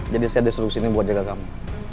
jadi saya disuruh sini buat jaga kamu